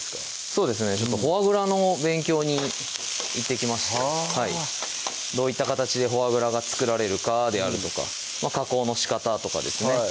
そうですねフォアグラの勉強に行ってきましてどういった形でフォアグラが作られるかであるとか加工のしかたとかですね